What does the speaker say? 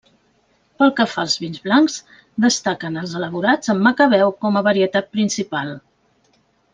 Pel que fa als vins blancs, destaquen els elaborats amb macabeu com a varietat principal.